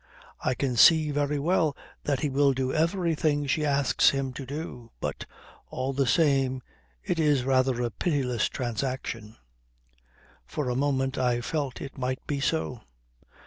I can see very well that he will do everything she asks him to do but, all the same, it is rather a pitiless transaction." For a moment I felt it might be so.